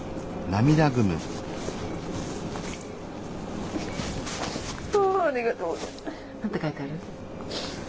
何て書いてある？